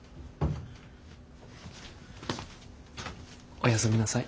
おやすみなさい。